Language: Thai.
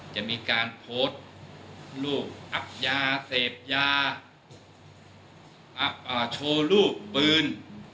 จะมีการโพสต์รูปอับยาเสพยาโชว์รูปปืน